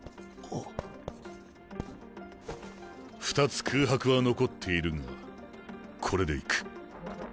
２つ空白は残っているがこれでいく。